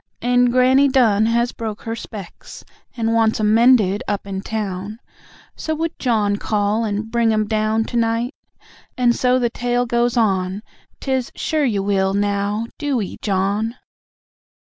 And Granny Dunn has broke her specs, And wants 'em mended up in town, So would John call and bring 'em down To night ...? and so the tale goes on, 'Tis, "Sure you will, now DO 'ee, John."